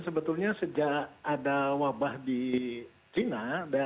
sebetulnya sejak ada wabah di china